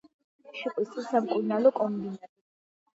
შპს სამკურნალო კომბინატი.